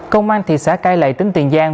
công an thị xã cai lệ tính tiền giang